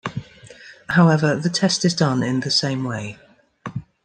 However, the test is done in the same way.